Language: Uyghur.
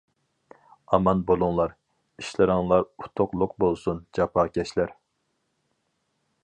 ئامان بولۇڭلار، ئىشلىرىڭلار ئۇتۇقلۇق بولسۇن جاپاكەشلەر!